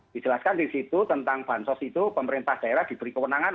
dijelaskan di situ tentang bansos itu pemerintah daerah diberi kewenangan